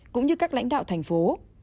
cũng như các lãnh đạo thành phố